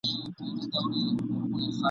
د تیارې غېږي ته درومم ..